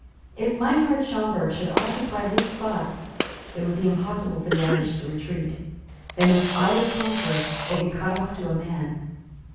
If Meinhart Schomberg should occupy this spot, it would be impossible for the Irish to retreat. They must either conquer, or be cut off to a man.